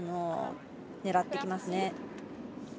狙ってきますね。